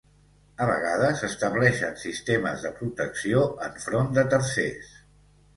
A vegades estableixen sistemes de protecció enfront de tercers.